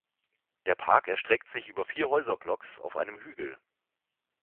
Der Park erstreckt sich über vier Häuserblocks auf einem Hügel.